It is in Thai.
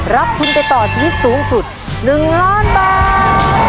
รับทุนไปต่อชีวิตสูงสุด๑ล้านบาท